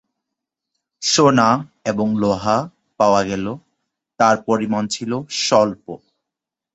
সোনা এবং লোহা পাওয়া গেল তার পরিমাণ ছিল স্বল্প।